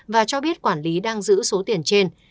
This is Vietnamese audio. và cho biết quản lý đang giữ số tiền trên